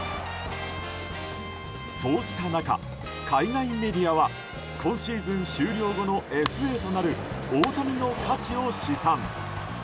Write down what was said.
そうした中、海外メディアは今シーズン終了後のＦＡとなる大谷の価値を試算。